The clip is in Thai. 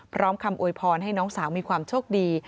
พร้อมคำโวยพรให้น้องสาวมีความโชคดี